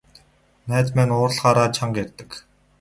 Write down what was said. Найз маань уурлахаараа чанга ярьдаг.